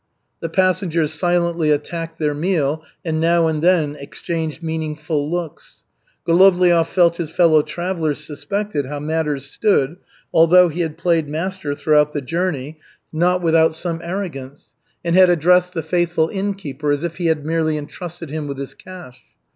The passengers silently attacked their meal and now and then exchanged meaningful looks. Golovliov felt his fellow travellers suspected how matters stood, although he had played master throughout the journey, not without some arrogance, and had addressed the faithful innkeeper as if he had merely entrusted him with his cash.